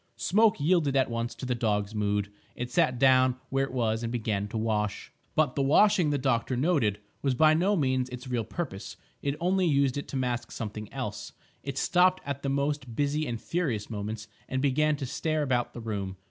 Smoke yielded at once to the dog's mood; it sat down where it was and began to wash. But the washing, the doctor noted, was by no means its real purpose; it only used it to mask something else; it stopped at the most busy and furious moments and began to stare about the room.